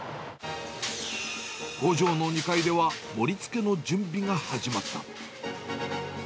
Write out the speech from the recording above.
工場の２階では盛りつけの準備が始まった。